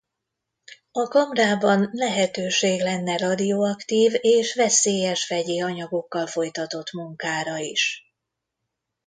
A kamrában lehetőség lenne radioaktív és veszélyes vegyi anyagokkal folytatott munkára is.